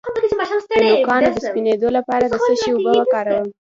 د نوکانو د سپینیدو لپاره د څه شي اوبه وکاروم؟